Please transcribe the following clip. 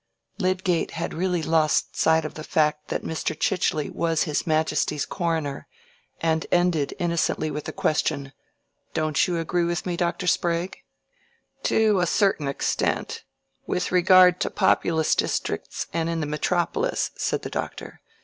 Lydgate had really lost sight of the fact that Mr. Chichely was his Majesty's coroner, and ended innocently with the question, "Don't you agree with me, Dr. Sprague?" "To a certain extent—with regard to populous districts, and in the metropolis," said the Doctor.